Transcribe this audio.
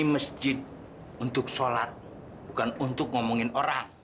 masjid untuk sholat bukan untuk ngomongin orang